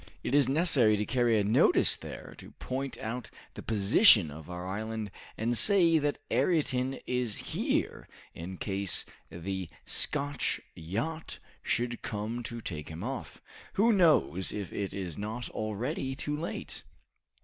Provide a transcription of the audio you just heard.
"It is necessary to carry a notice there to point out the position of our island and say that Ayrton is here in case the Scotch yacht should come to take him off. Who knows if it is not already too late?"